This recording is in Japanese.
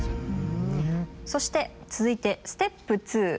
そして続いてステップ２。